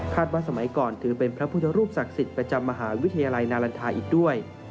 ว่าสมัยก่อนถือเป็นพระพุทธรูปศักดิ์สิทธิ์ประจำมหาวิทยาลัยนาลันทาอีกด้วย